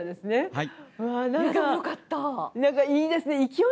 はい。